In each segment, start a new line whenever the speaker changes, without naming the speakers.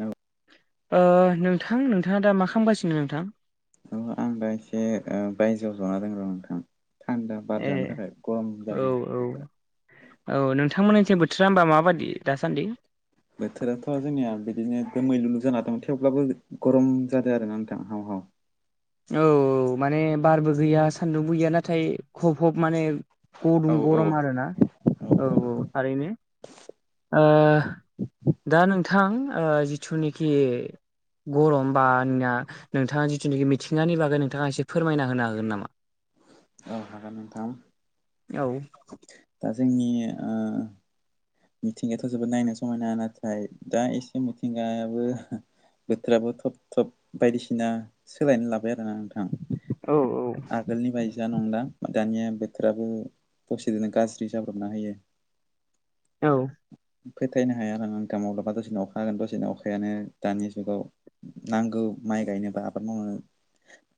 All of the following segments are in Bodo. औ
नोंथां नोंथांङा दा मा खालामगासिनो नोंथां
औ आं दा एसे बायजोआव जना दोंङो' नोंथां थान्दा बार
ए
जानो थाखाय गरम
औ
जादों
औ
बोथोरा
औ नोंथांमोननिथिं बोथोरा होनबा माबायदि दासान्दि
बोथोराथ' जोंनिया बिदिनो दोमैलुलु जाना दं थेवब्लाबो गरम जादों आरोना नोंथां हाव हाव
औ औ माने बारबो गैया सान्दुंबो गैया नाथाय हब हब माने गुदुं
औ औ
गरम आरोना औ औ थारैनो ओ दा नोंथां जिथुनिखि गरम बानिया नोंथांङा जिथुनोखि थिंनानि बागै नोंथांङा एसे फोरमायना होनो हागोन नामा?
औ हागोन नोंथां
औ
दा जोंनि ओ मिथिंगायाथ' जोबोद नायनो समायना नाथाय दा एसे मिथिंगायाबो बोथोराबो थब थब बायदिसिना सोलायना लाबाय आरोना नोंथां
औ औ
आगोलनि बायदिया नंला दानिया बोथोराबो दसेदोनो गाज्रि जाब्रना होयो।
औ
फोथायनो हाया आरों नोंथां माब्लाबा दसेनो अखा होगोन दसेनो अखायानो दानि जुगाव नांगौ माइ गायनोबा आबाद मावनो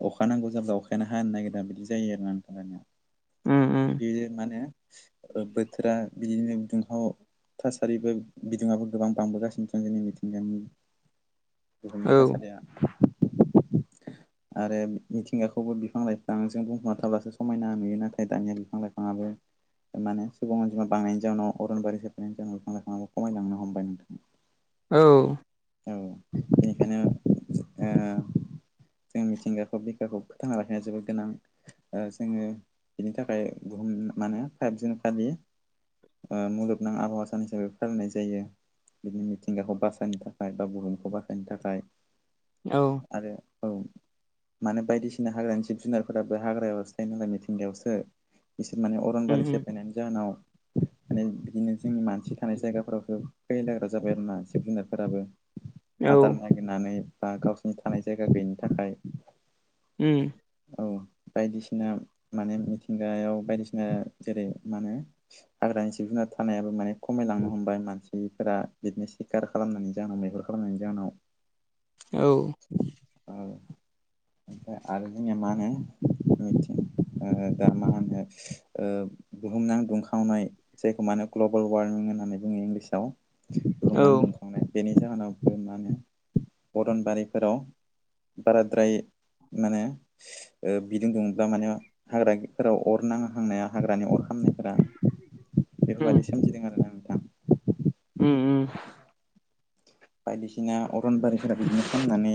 अखा नांगौ जाब्ला अखायानो हानो नागिरा बिदि जायो आरोना [unintelligible]
उम उम
बियो मा होनो बोथोरा बिदिनो दुंहाव थासारिबो बिदुंङाबो गोबां बांबोगासिनो दं जोंनि मिथिंगानि बुहुमनि
औ
थासारिया
[inaudible]
आरो मिथिंगाखौबो बिफां लाइफांजों बुंफुमना थाबासो समायना नुयो नाथाय दानिया बिफां लाइ फाङाबो माने सुबुं अनजिमा बांनायनि जाउनाव अरनबारिखो बेनि जाउनाव बिफां लाइफांङाबो खमायलांनो हमबाय नोंथां
औ
औ बेनिखायनो ओ जों मिथिंगाखौ बिखाखौ फोथांना लाखिनाया जोबोद गोनां जोंङो बिनि थाखाय बुहुम माने फाइभ जुन फालि ओ मुलुगनां आबहावा सान हिसाबै फालिनाय जायो बिदिनि मिथिंगाखौ बासायनो थाखाय बा बुहुमखौ बासायनो थाखाय
औ
आरो औ मानो बायदिसिना हाग्रानि जिब जुनारफोराबो हाग्रायावसो थायो नालाय मिथिंगायावसो बिसोर माने
उम
अरनबारि
उम
सेफायनायनि जाहोनाव माने बिदिनो जोंनि मानसि थानाय जायगाफोरावसो फैलाग्रा जाबाय आरो ना जिब जुनारफोराबो
औ
आदार नाय गिरनानै बा गावसिनि थानाय जायगा गैयिनि थाखाय
उम
औ बायदिसिना माने मिथिंगायाव बायदिसिना जेरै मा होनो हाग्रानि जिब जुनार थानायाबो माने खमायलांनो हमबाय मानसि गैयैफोरा बिदिनो सिखार खालामनायनि जाहोनाव मैहुर खालामनायनि जाहोनाव
औ
ओ ओफ्राय आरो जोंनिया मानो मिथिं ओ दा मा होनो बुहुम नां दुंखावनाय जायखौ मानो ग्लबेल वारमिं होननानै बुङो इंलिसाव
औ
बुहुमनां दुंखावनाय बेनि जाहोनाव मा होनो अरनबारिफोराव बाराद्राय माने ओ बिदि दुंब्ला माने हाग्राफोराव अर नाहांनाया हाग्रानि अर खामनाय
उम
आरोना नोंथां
उम उम
[inaudible] बायदिसिना अरनबारिफोरा बिदिनो खामनानै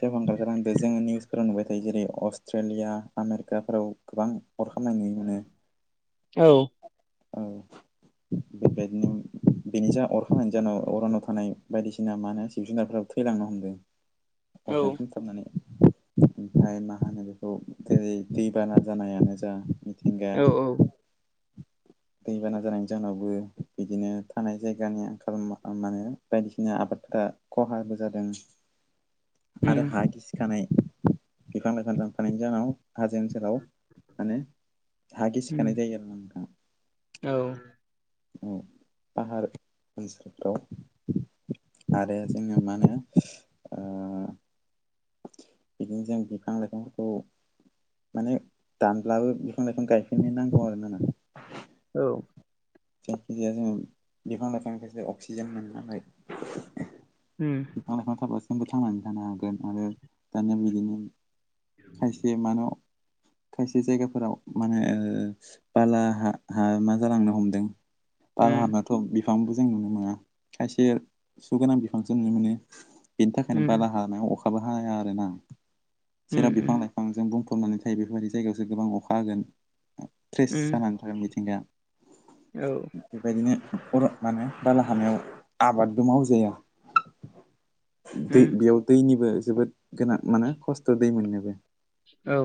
सेवहांगार जालांदो जोङो निउसफोराव नुबाय थायो जेरै अस्ट्रेलिया आमेरिकाफोराव गोबां अर खामनाय नुनो मोनो
औ [inaudible]
बे बायदिनो बेनि जा अर खनायनि जाहोनाव अरानाव थानाय बायदिसिना मा होनो जिब जुनारफोराबो थैलांनो हमदों।
औ
अरजों खामना नानै ओमफ्राय मा होनो बेखौ जेरै दैबाना जानायानो जा। मिथिंगाया
औ औ
दैबाना जानायनि जाहोनावबो बिदिनो थानाय जायगानि आंखाल मा होनो बायदिसिना आबादफोरा खहाबो जादों।
[inaudible]
आरो हा गिसिखानाय बिफां लाइफां लाइफां दानफायनायनि जाहोनाव हाजोनि ओनसोलाव माने हा गिसिखानाय
उम
जायो आरो ना नोंथां
औ
फाहार ओनसोलफ्राव आरो जोङो मा होनो ओ बिदिनो जों बिफां लाइफांफोरखौ माने दानब्लाबो बिफां लाइफां गायफिननो नांगौ आरोना।
औ
जायखि जाया जों बिफां लाइफांजोंसो अक्सिजेन मोनो नालाय
उम
बिफां लाइफां थाबासो जोंबो थांनानै थानो हागोन आरो दानिया बिदिनो खायसे मान खायसे जायगाफोराव माने बाला हा हा मा जालांनो हमदों
उम
बालाहामायावथ' बिफांबो जों नुनो मोना खायसे सुगोनां बिफांसो नुनो मोनो। बेनि थाखायनो
उम
बाला हामायाव अखाबो हाया आरो ना जेराव
उम
बिफां लाइफां गोबां जों बुंफबनानै थायो बेफोरबायदि जायगायावसो गोबां अखा होगोन फ्रेस
उम
जानांगोन आरो मिथिंगा
औ
बेबायदि बर [unintelligible] माने बाला हानायाव आबादबो मावजाया दै
उम
बेयाव दैनिबो जोबोद गोनां माने खस्थ' दै मोननोबो
औ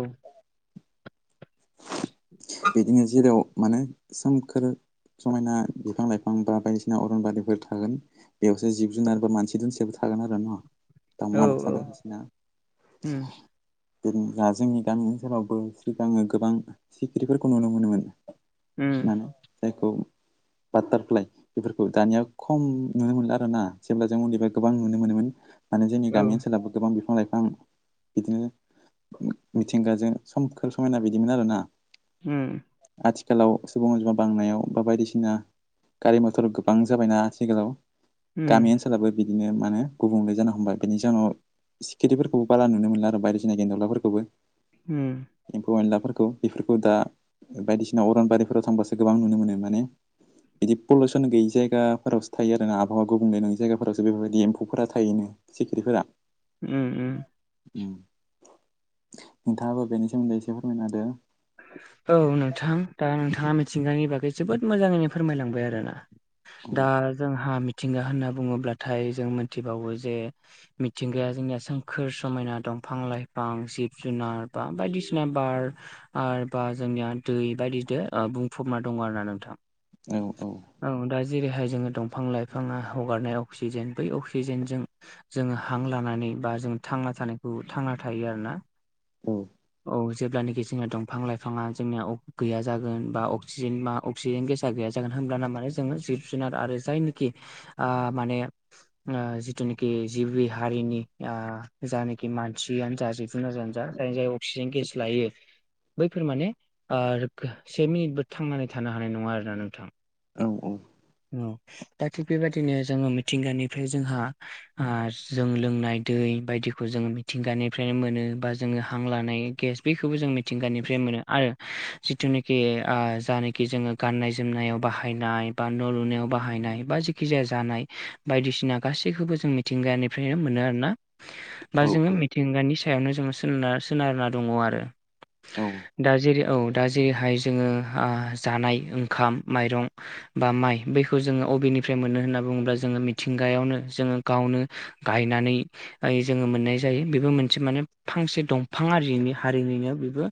बिदिनो जेराव माने सोमखोर समायना बिफां लाइफां बा बायदिसिना अरन बारिफोर थागोन। बेयावसो जिब जुनार बा मानसि दुमसिबो थागोन आरो नङा ओमबा
औ
दावमा दावसा बायदिसिना
उम उम औ उम
दा जोंनि गामि ओनसोलावबो सिगाङो गोबां सिखिरिफोरखौ नुनो मोनोमोन। ना
उम
जायखौ बाटारफ्लाइ बेफोरखौ दानिया खम नुनो मोनला आरो ना जेब्ला जों उन्दैफ्राव गोबां नुनो मोनोमोन। माने जोंनि गामि ओनसोलावबो गोबां बिफां लाइफां बिदिनो मिथिंगाजों सोमखोर समायना बिदिमोन आरोना
उम
आथिखालाव सुबुं अनजिमा बांनायाव बा बायदिसिना गारि मथर गोबां जाबायना आथिखालाव
उम
गामि ओनसोल फोराबो बिदिनो माने गुबुंले जानो हमबाय बेनि जाहोनाव [unintelligible] सिखिरिफोरखौबो बारा नुनो मोनला आरो बायदिसिना गान्दावलाफोरखौबो
उम
एम्फौ एनलाफोरखौ बेफोरखौ दा बायदिसिना अरनबारिफोराव थांबासो गोबां नुनो मोनो माने बिदि पलिउसन गैयि जायगाफोरावसो थायो आरो ना आबहावा गुबुंले नङै जायगाफोरावसो बेफोरबायदि एम्फौफोरा थायोनो सिख्रिफोरा
उम उम
उ नोंथाङाबो बेनि सोमोन्दै एसे फोरमायना होदो
औ नोंथां दा नोंथाङा मिथिंगानि बागै जोबोद मोजाङैनो फोरमायलांबाय आरोना दा
औ
जोंहा मिथिंगा होनना बुङोब्लाथाय जों मोनथिबावो जे मिथिंगाया जोंनिया सोमखोर समायना दंफां लाइफां जिब जुनार बा बायदिसिना सिना [unintelligible] बार आरो बा जोंनिया दै बायदिदो बुंफबना दङ' आरो ना नोंथां
औ औ
औ दा जेरैहाय जोङो दंफां लाइफाङा हगारनाय अक्सिजेन बै अक्सिजेनजों जोङो हां लानानै बा जों थांना थानायखौ थांना थायो आरोना
औ
औ जेब्लानोखि जोंना दंफां लाइफाङा जोंनिया गैया जागोन बा अक्सिजेन बा अक्सिजेन गेसा गैया जागोन होमब्लाना आ माने जोङो जिब जुनार आरो जायनाखि आ माने आ जिथुनिखि जिबि हारिनि आ जानाखि मानसियानो जिब [unintelligible] जानो जा जाय जाय अक्सिजेन गेस लायो बैफोर माने ओ से मिनिटबो थांनानै थानो हानाय नङा आरोना नोंथां
औ औ
औ दा थिग बेबायदिनो जोङो मिथिंगानिफ्राय जोंहा आ जों लोंनाय दै बायदिखौ जोङो मिथिंगानिफ्रायनो मोनो बा जोङो हां लानाय गेस बेखौबो जों मिथिंगानिफ्राय मोनो आरो जिथुनिखि आ जानाखि जोङो गाननाय जोमनायाव बाहायनाय बा न' लुनायाव बाहायनाय बा जेखि जाया जानाय बायदिसिना गासैखौबो जों मिथिंगानिफ्रायनो मोनो आरो ना बा
औ
जोङो मिथिंगानि सायावनो जोङो सोनारना सोनारना दङ' आरो
औ
दा जेरै औ दा जेरैहाय जोङो आ जानाय ओंखाम माइरं बा माइ बैखौ जोङो अबेनिफ्राय मोनो होनना बुङोब्ला जोङो मिथिंगायावनो जोङो गावनो गायनानै दायो जोङो मोननाय जायो बेबो मोनसे माने फांसे दंफां आरिनि हारिनिनो बेबो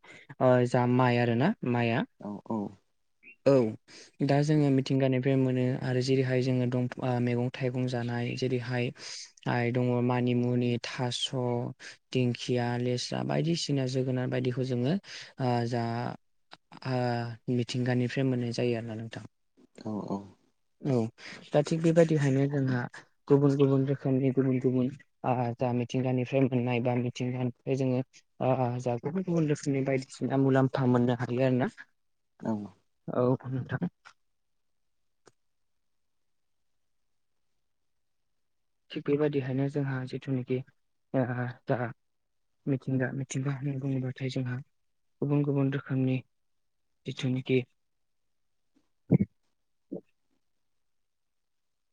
ओ जा माइ आरो ना माइया
औ
औ दा जोङो मिथिंगानिफ्राय मोनो आरो जेरैहाय जोङो दंफा ओ मैगं थाइगं जानाय जेरैहाय आइ दङ' मानिमुनि थास' दिंखिया लेस्रा बायदिसिना जोगोनार बायदिखौ जोङो ओ जा ओ मिथिंगानिफ्राय मोननाय जायो आरोना नोंथां।
औ औ
औ दा थिग बेबायदिहायनो जोंहा गुबुन गुबुन रोखोमनि गुबुन गुबुन आ जा मिथिंगानिफ्राय मोननाय बा मिथिंगानिफ्राय जोङो आ जाहा गुबुन गुबुन रोखोमनि बायदिसिना मुलाम्फा मोननो हायो आरो ना।
औ
औ नोंथां थिग बेबायदिहायनो जोंहा जिथुनाखि ओ जा मिथिंगा मिथिंगा होननानै बुङोब्लाथाय जोंहा गुबुन गुबुन रोखोमनि जिथुनोखि